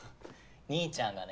兄ちゃんがね。